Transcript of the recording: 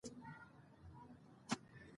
وادي د افغان ځوانانو لپاره دلچسپي لري.